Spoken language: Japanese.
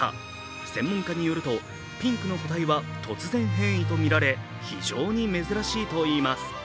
専門家によるとピンクの個体は突然変異とみられ、非常に珍しいといいます。